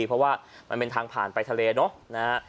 เพราะว่ามันเป็นทางผ่านไปทะเลเนอะนะฮะ